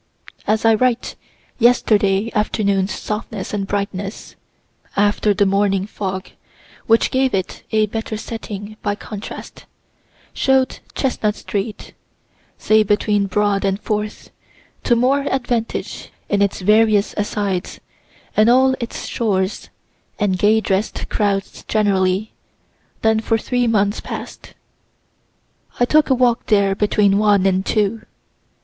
As I write, yesterday afternoon's softness and brightness, (after the morning fog, which gave it a better setting, by contrast,) show'd Chestnut street say between Broad and Fourth to more advantage in its various asides, and all its stores, and gay dress'd crowds generally, than for three months past. I took a walk there between one and two.